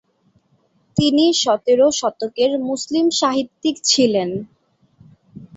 তিনি সতের শতকের মুসলিম সাহিত্যিক ছিলেন।